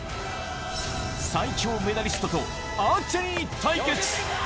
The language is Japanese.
最強メダリストとアーチェリー対決。